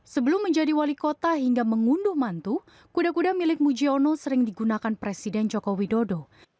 sebelum menjadi wali kota hingga mengunduh mantu kuda kuda milik mujiono sering digunakan presiden joko widodo